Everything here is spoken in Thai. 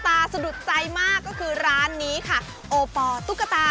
กับการเปิดลอกจินตนาการของเพื่อนเล่นวัยเด็กของพวกเราอย่างโลกของตุ๊กตา